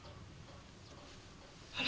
あれ？